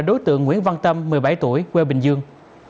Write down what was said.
đối tượng nguyễn văn tâm một mươi bảy tuổi quê bình dương